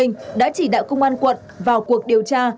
thành phố hồ chí minh đã chỉ đạo công an quận vào cuộc điều tra